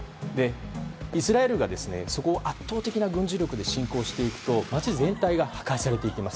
イスラエルがそこを圧倒的な軍事力で侵攻していくと街全体が破壊されていきます。